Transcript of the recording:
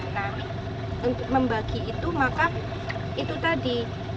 nah untuk membagi itu maka itu tadi